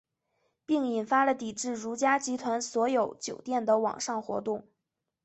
并引发了抵制如家集团所有酒店的网上活动。